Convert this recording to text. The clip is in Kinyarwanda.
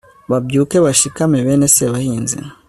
babyuke bashikame bene sebahinzi